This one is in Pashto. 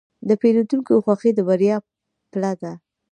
د پیرودونکي خوښي د بریا پله ده.